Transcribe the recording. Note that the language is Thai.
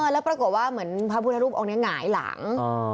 แล้วปรากฏว่าเหมือนพระพุทธรูปองค์นี้หงายหลัง